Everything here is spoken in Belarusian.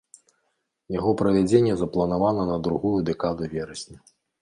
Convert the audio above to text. Яго правядзенне запланавана на другую дэкаду верасня.